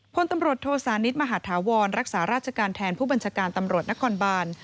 พลตำรวจโทษานิทมหาธาวรรักษาราชการแทนผู้บัญชาการตำรวจนครบาน